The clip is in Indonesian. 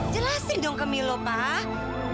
jelasin dong ke milu pak